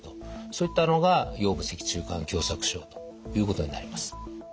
そういったのが腰部脊柱管狭窄症ということになります。